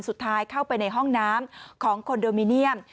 เข้าไปในห้องน้ำของคอนโดมิเนียม